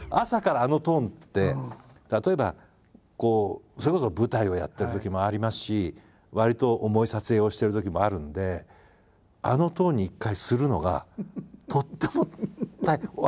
朝からあのトーンって例えばそれこそ舞台をやってるときもありますしわりと重い撮影をしてるときもあるんであのトーンに一回するのがとっても大変。